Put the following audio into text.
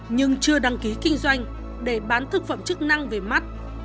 nhưng chưa đăng ký kinh doanh để bán thực phẩm chức năng về mắt